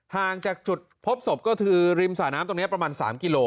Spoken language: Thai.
ห่างจากจุดพบศพก็คือริมสระน้ำตรงนี้ประมาณ๓กิโล